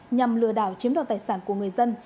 nhằm lừa đảo chiếm đoạt tài sản của người dân